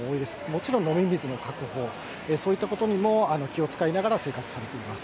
もちろん飲み水の確保、そういったことにも気を遣いながら生活されています。